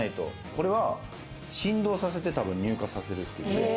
これは振動させて乳化させるという。